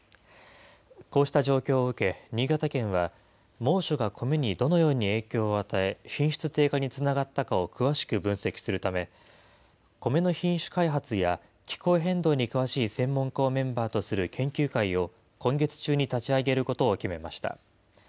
こうした状況を受け、新潟県は、猛暑がコメにどのように影響を与え、品質低下につながったかを詳しく分析するため、コメの品種開発や、気候変動に詳しい専門家をメンバーとする研究会を、今月中に立ち上げることを決めました。